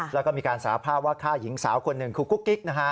แล้วก็มีการสาภาพว่าฆ่าหญิงสาวคนหนึ่งคือกุ๊กกิ๊กนะฮะ